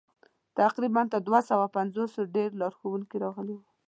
تقریباً تر دوه سوه پنځوسو ډېر لارښوونکي راغلي ول.